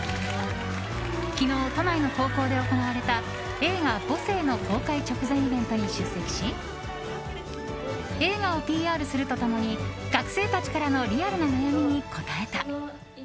昨日、都内の高校で行われた映画「母性」の公開直前イベントに出席し映画をＰＲすると共に学生たちからのリアルな悩みに答えた。